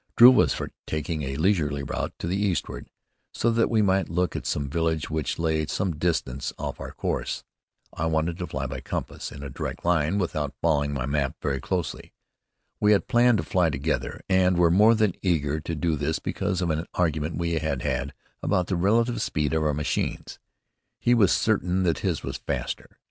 Drew was for taking a leisurely route to the eastward, so that we might look at some villages which lay some distance off our course. I wanted to fly by compass in a direct line, without following my map very closely. We had planned to fly together, and were the more eager to do this because of an argument we had had about the relative speed of our machines. He was certain that his was the faster.